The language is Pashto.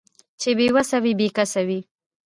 چې بې وسه وي بې کسه وي